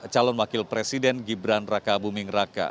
calon wakil presiden gibran raka buming raka